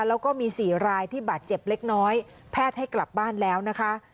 แล้วก็มี๔รายที่บาดเจ็บเล็กน้อยแพทย์ให้กลับบ้านแล้วนะคะ